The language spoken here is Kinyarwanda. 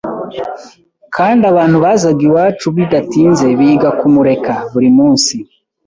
kandi abantu bazaga iwacu bidatinze biga kumureka. Buri munsi